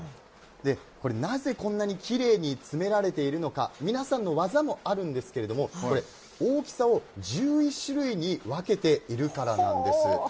これ、なぜこんなにきれいに詰められているのか、皆さんの技もあるんですけれども、これ、大きさを１１種類に分けているからなんです。